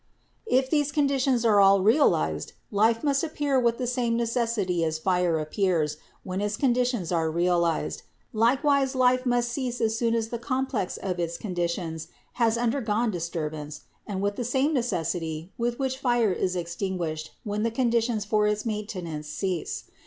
"If these conditions are all realized, life must appear with the same necessity as fire appears when its conditions are realized; likewise life must cease as soon as the complex of its conditions has undergone disturbance and with the same necessity with which fire is extinguished when the conditions for its maintenance cease.